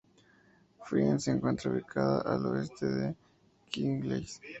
Friend se encuentra ubicada al oeste de Kingsley.